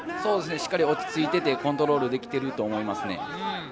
しっかり落ち着いて、コントロールできていると思います。